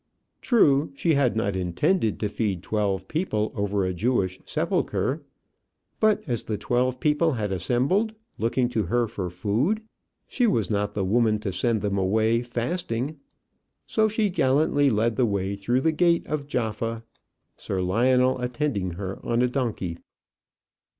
True, she had not intended to feed twelve people over a Jewish sepulchre, but as the twelve people had assembled, looking to her for food, she was not the woman to send them away fasting: so she gallantly led the way through the gate of Jaffa, Sir Lionel attending her on a donkey.